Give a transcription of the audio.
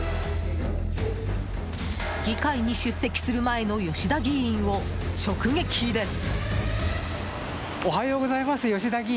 議会に出席する前の吉田議員を直撃です。